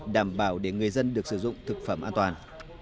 đảm bảo để người dân được sử dụng thực phẩm an toàn